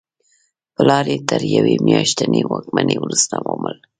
پلار یې تر یوې میاشتنۍ واکمنۍ وروسته ومړ.